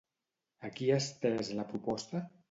A qui ha estès la proposta?